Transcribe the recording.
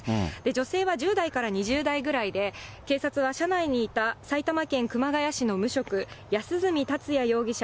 女性は１０代から２０代ぐらいで、警察は車内にいた埼玉県熊谷市の無職、安栖達也容疑者